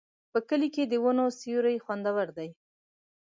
په کلي کې د ونو سیوري خوندور دي.